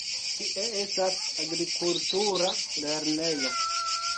Tie estas agrikultura lernejo.